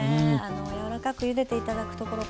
柔らかくゆでて頂くところ